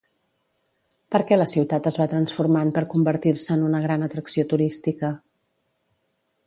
Perquè la ciutat es va transformant per convertir-se en una gran atracció turística?